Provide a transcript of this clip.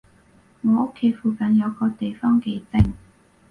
我屋企附近有個地方幾靜